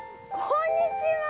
こんにちは。